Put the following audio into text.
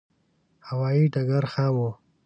هوایې ډګر خام و.